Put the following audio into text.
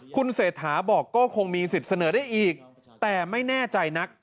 คุณเศรษฐาบอกก็คงมีสิทธิ์เสนอได้อีกแต่ไม่แน่ใจนัก